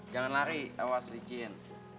jangan lari awas licin